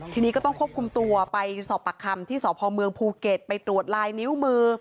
ทีนี้ก็ต้องควบคุมตัวไปสอบปากคำที่สพเมืองภูเก็ตไปตรวจลายนิ้วมือ